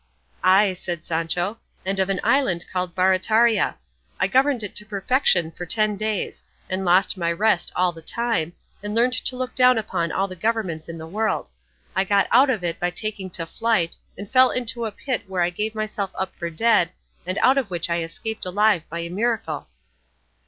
"Ay," said Sancho, "and of an island called Barataria. I governed it to perfection for ten days; and lost my rest all the time; and learned to look down upon all the governments in the world; I got out of it by taking to flight, and fell into a pit where I gave myself up for dead, and out of which I escaped alive by a miracle."